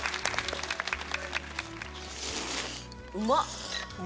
うまっ！